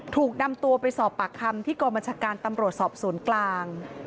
ถูกนำตัวไปสอบปากคำที่กองบัญชาการตำรวจสอบสวนกลาง